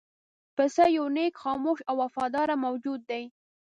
پسه یو نېک، خاموش او وفادار موجود دی.